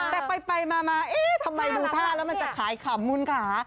แต่ไปมาทำไมดูท่าแล้วมันจะขายขำมุนขา